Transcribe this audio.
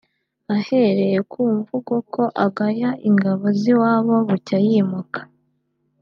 Ahereye ku mvugo ko ugaya ingabo z’iwabo bucya yimuka